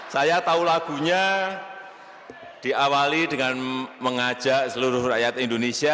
saya tahu lagunya diawali dengan mengajak seluruh rakyat indonesia